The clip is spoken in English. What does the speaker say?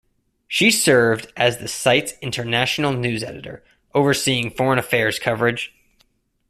She served as the site's International News Editor, overseeing foreign affairs coverage.